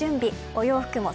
お洋服も